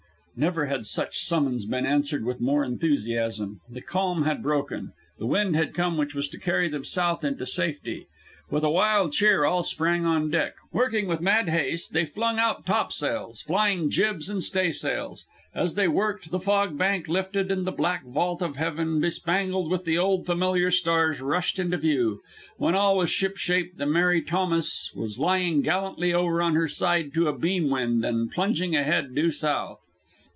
Never had such summons been answered with more enthusiasm. The calm had broken. The wind had come which was to carry them south into safety. With a wild cheer all sprang on deck. Working with mad haste, they flung out topsails, flying jibs and stay sails. As they worked, the fog bank lifted and the black vault of heaven, bespangled with the old familiar stars, rushed into view. When all was ship shape, the Mary Thomas was lying gallantly over on her side to a beam wind and plunging ahead due south.